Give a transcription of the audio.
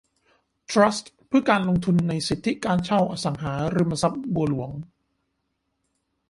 ทรัสต์เพื่อการลงทุนในสิทธิการเช่าอสังหาริมทรัพย์บัวหลวง